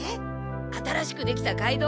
新しくできた街道。